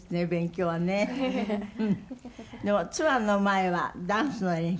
でもツアーの前はダンスの練習？